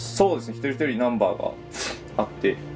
一人一人ナンバーがあって。